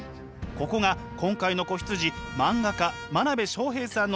ここが今回の子羊漫画家真鍋昌平さんの仕事場です。